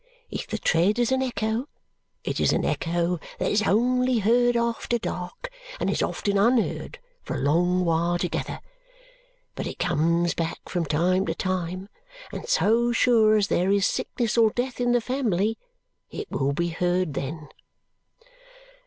If the tread is an echo, it is an echo that is only heard after dark, and is often unheard for a long while together. But it comes back from time to time; and so sure as there is sickness or death in the family, it will be heard then."